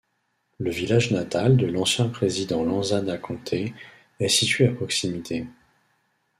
Le village natal de l'ancien président Lansana Conté est situé à proximité.